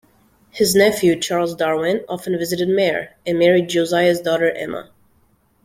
His nephew Charles Darwin often visited Maer, and married Josiah's daughter Emma.